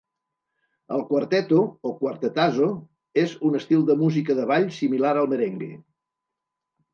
El cuarteto, o cuartetazo, és un estil de música de ball similar al merengue.